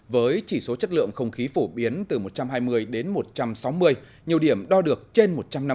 với chỉ số chất lượng không khí phổ biến từ một trăm hai mươi đến một trăm sáu mươi nhiều điểm đo được trên một trăm năm mươi